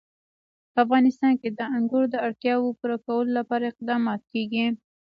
په افغانستان کې د انګور د اړتیاوو پوره کولو لپاره اقدامات کېږي.